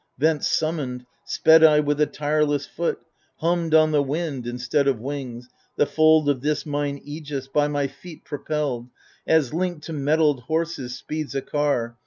Thence summoned, sped I with a tireless foot, — Hummed on the wind, instead of wings, the fold Of this mine aegis, by my feet propelled. As, linked to mettled horses, speeds a car.